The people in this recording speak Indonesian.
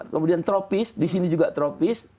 kemudian tropis disini juga tropis